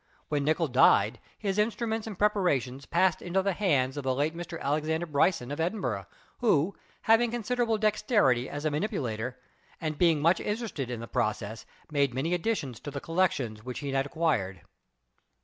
When Nicol died, his instruments and preparations passed into the hands of the late Mr. Alexander Bryson of Edinburgh who, having considerable dexterity as a manip ulator, and being much interested in the process, made many additions to the collections which he had acquired.